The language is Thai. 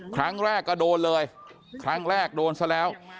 ครั้งแรกก็โดนเลยครั้งแรกโดนซะแล้ว